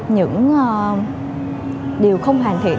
những điều không hoàn thiện